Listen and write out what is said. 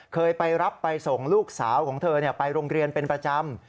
เคยไปรับไปส่งลูกสาวของเธอไปโรงเรียนเป็นประจำ